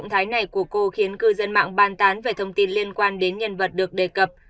động thái này của cô khiến cư dân mạng ban tán về thông tin liên quan đến nhân vật được đề cập